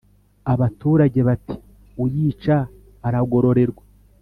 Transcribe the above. abaturage Bati: "Uyica aragororerwa";